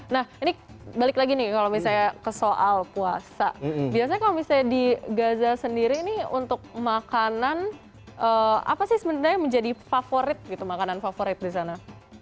nah ini balik lagi nih kalau misalnya ke soal puasa biasanya kalau misalnya di gaza sendiri ini untuk makanan apa sih sebenarnya menjadi favorit gitu makanan favorit di sana